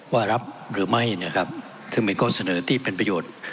รับหรือไม่นะครับซึ่งเป็นข้อเสนอที่เป็นประโยชน์